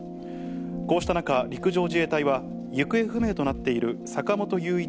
こうした中、陸上自衛隊は行方不明となっている坂本雄一